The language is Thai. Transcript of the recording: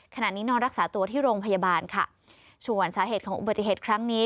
ขณะนี้นอนรักษาตัวที่โรงพยาบาลค่ะส่วนสาเหตุของอุบัติเหตุครั้งนี้